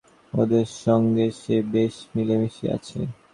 ওদের সঙ্গে সে বেশ মিলেমিশে আছে।